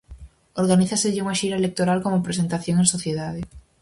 Organizáselle unha xira electoral como presentación en sociedade.